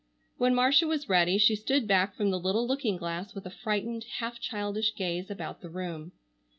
When Marcia was ready she stood back from the little looking glass, with a frightened, half childish gaze about the room.